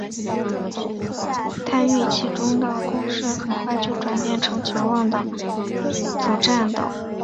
但预期中的攻势很快就转变成绝望的阻敌战斗。